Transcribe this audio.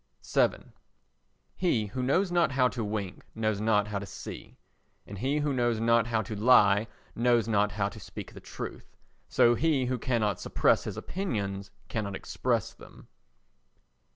vii He who knows not how to wink knows not how to see; and he who knows not how to lie knows not how to speak the truth. So he who cannot suppress his opinions cannot express them.